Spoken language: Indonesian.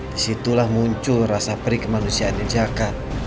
disitulah muncul rasa perih kemanusiaannya jaka